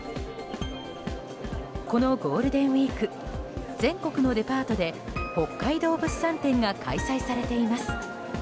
このゴールデンウィーク全国のデパートで北海道物産展が開催されています。